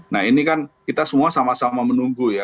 nah ini kan kita semua sama sama menunggu ya